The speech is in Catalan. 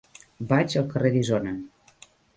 Vaig al carrer d'Isona.